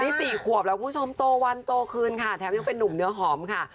นี่๔ขวบแล้วคุณผู้ชมโตวันโตคืนค่ะแถมยังเป็นนุ่มเนื้อหอมค่ะ